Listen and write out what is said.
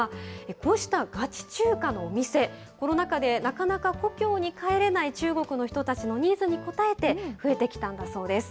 こうしたガチ中華のお店、コロナ禍でなかなか故郷に帰れない中国の人たちのニーズに応えて、増えてきたんだそうです。